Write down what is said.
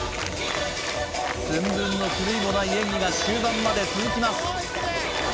寸分の狂いもない演技が終盤まで続きます